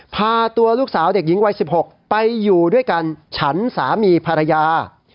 พาตัวลูกสาวเด็กหญิงวัย๑๖ไปอยู่ด้วยกันฉันสามีภรรยา